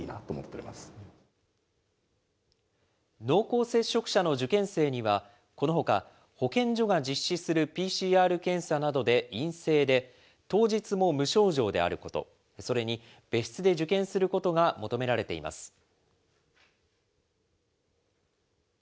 濃厚接触者の受験生には、このほか、保健所が実施するＰＣＲ検査などで陰性で、当日も無症状であること、それに、別室で受験することが求められています。